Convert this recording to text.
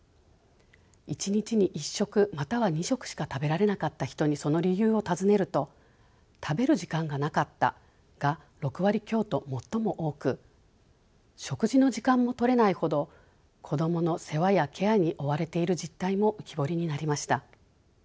１日に１食または２食しか食べられなかった人にその理由を尋ねると「食べる時間がなかった」が６割強と最も多く食事の時間も取れないほど子どもの世話やケアに追われている実態も浮き彫りになりました。